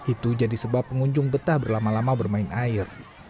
itu jadi sebab pengunjung betah berlama lama bermain air